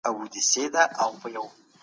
عزت په درواغو او تېروتنو کي نه موندل کېږي.